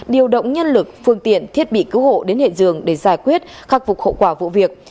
điều động nhân lực phương tiện thiết bị cứu hộ đến hiện trường để giải quyết khắc phục hậu quả vụ việc